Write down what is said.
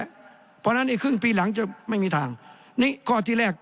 เพราะฉะนั้นอีกครึ่งปีหลังจะไม่มีทางนี่ข้อที่แรก